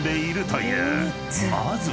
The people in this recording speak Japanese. ［まずは］